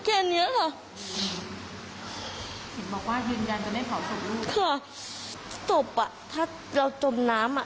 บอกว่าเงินยันจะได้เผาสบลูกข้าสบอะถ้าเราจมน้ำอะ